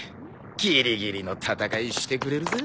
ぎりぎりの戦いしてくれるぜ。